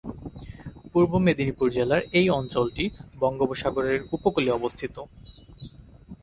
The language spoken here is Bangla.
পূর্ব মেদিনীপুর জেলার এই অঞ্চলটি বঙ্গোপসাগরের উপকূলে অবস্থিত।